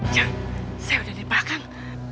jeng saya udah di belakang